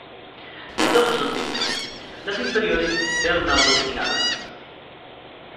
Las hojas son simples, las inferiores ternado-pinnadas.